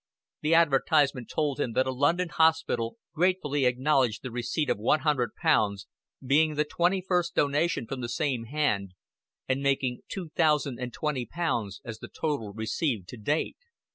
The advertisement told him that a London hospital gratefully acknowledged the receipt of one hundred pounds, being the twenty first donation from the same hand, and making two thousand and twenty pounds as the total received to date.